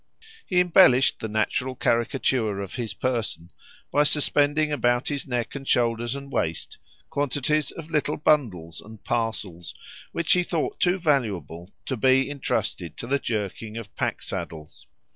He embellished the natural caricature of his person by suspending about his neck and shoulders and waist quantities of little bundles and parcels, which he thought too valuable to be entrusted to the jerking of pack saddles.